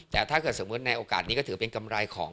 แต่ถ้าเกิดสมมุติในโอกาสนี้ก็ถือเป็นกำไรของ